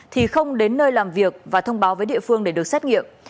thì không đến nơi làm việc và thông báo với địa phương để được xét nghiệm